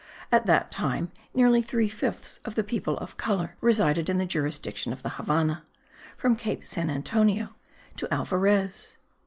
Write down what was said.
At that time, nearly three fifths of the people of colour resided in the jurisdiction of the Havannah, from Cape Saint Antonio to Alvarez.